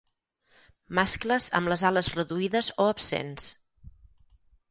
Mascles amb les ales reduïdes o absents.